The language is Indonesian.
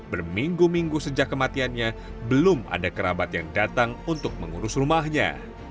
berminggu minggu sejak kematiannya belum ada kerabat yang datang untuk mengurus rumahnya